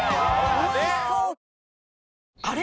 あれ？